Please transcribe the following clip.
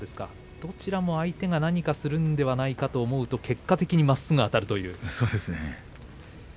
どちらも相手が何かするんじゃないかと思うと結果的にまっすぐあたると。